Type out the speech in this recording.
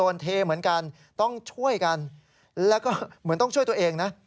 แล้วก็เหมือนต้องช่วยตัวเองนะ